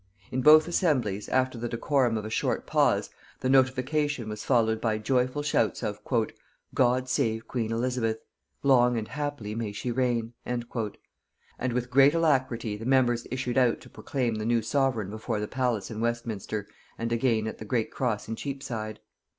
In both assemblies, after the decorum of a short pause, the notification was followed by joyful shouts of "God save queen Elizabeth! long and happily may she reign!" and with great alacrity the members issued out to proclaim the new sovereign before the palace in Westminster and again at the great cross in Cheapside.